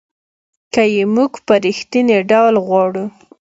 که یې موږ په رښتینې ډول غواړو .